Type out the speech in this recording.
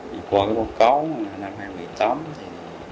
thì qua cái báo cáo năm hai nghìn một mươi tám thì